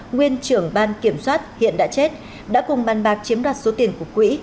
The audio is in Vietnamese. nguyên trưởng ban kiểm soát hiện đã chết đã cùng bàn bạc chiếm đoạt số tiền của quỹ